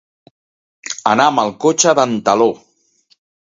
Anar amb el cotxe d'en Taló.